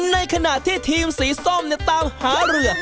ในขณะที่ทีมสีส้มตามหาเรือ